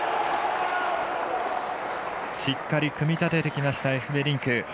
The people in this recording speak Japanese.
しっかり組み立ててきましたエフベリンク。